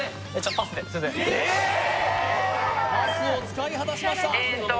パスを使い果たしましたえっと